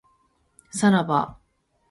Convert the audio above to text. さらば